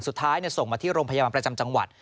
สุดท้ายส่งมาที่โรงพยาบาลประจำจังหวัด